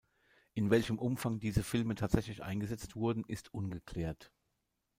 In welchem Umfang diese Filme tatsächlich eingesetzt wurden, ist ungeklärt.